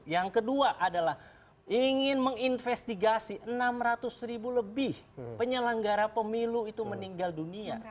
yang kedua adalah ingin menginvestigasi enam ratus ribu lebih penyelenggara pemilu itu meninggal dunia